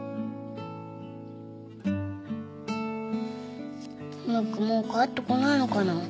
ムックもう帰ってこないのかな。